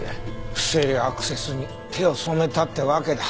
不正アクセスに手を染めたってわけだ。